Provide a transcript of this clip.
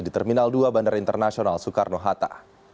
di terminal dua bandara internasional soekarno hatta